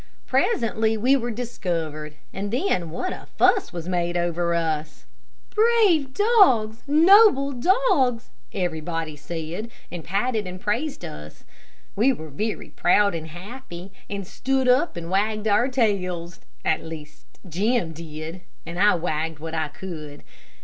Presently we were discovered, and then what a fuss was made over us. "Brave dogs! noble dogs!" everybody said, and patted and praised us. We were very proud and happy, and stood up and wagged our tails, at least Jim did, and I wagged what I could.